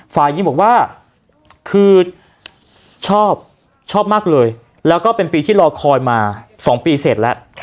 ฝ่ายหญิงบอกว่าคือชอบชอบมากเลยแล้วก็เป็นปีที่รอคอยมา๒ปีเสร็จแล้ว